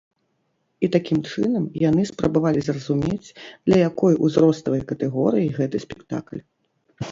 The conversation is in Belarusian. І такім чынам яны спрабавалі зразумець, для якой узроставай катэгорыі гэты спектакль.